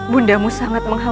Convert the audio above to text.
masuklah ke dalam